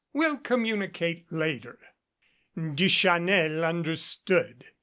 Will communicate later." Duchanel understood.